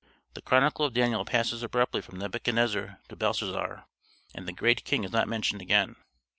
The chronicle of Daniel passes abruptly from Nebuchadnezzar to Belshazzar, and the great king is not mentioned again.